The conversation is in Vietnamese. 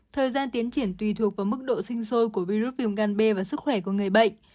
thời gian tiến triển tùy thuộc vào mức độ sinh sôi của virus viêm gan b và sức khỏe của người bệnh